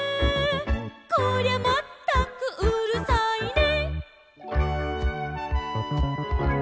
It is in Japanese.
「こりゃまったくうるさいね」